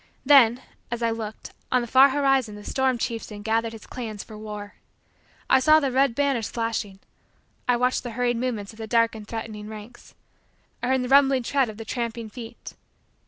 Then, as I looked, on the far horizon the storm chieftain gathered his clans for war. I saw the red banners flashing. I watched the hurried movements of the dark and threatening ranks. I heard the rumbling tread of the tramping feet.